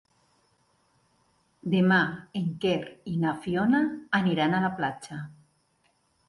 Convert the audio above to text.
Demà en Quer i na Fiona aniran a la platja.